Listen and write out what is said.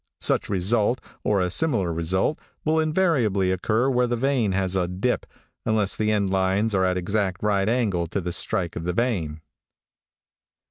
Such result, or a similar result, will invariably occur where the vein has a dip, unless the end lines are at an exact right angle to the strike of the vein."